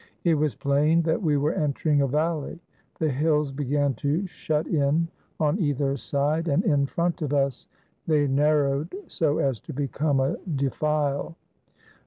It was plain that we were entering a val ley. The hills began to shut in on either side, and in 424 AN ATTACK ON THE BASHI BAZOUKS front of us they narrowed so as to become a defile.